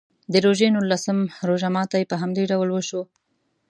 د روژې نولسم روژه ماتي په همدې ډول وشو.